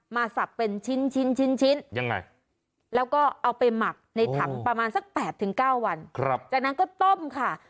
สับเป็นชิ้นยังไงแล้วก็เอาไปหมักในถังประมาณสัก๘๙วันจากนั้นก็ต้มค่ะ